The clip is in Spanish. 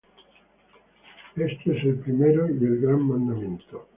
Este es el primero y el grande mandamiento.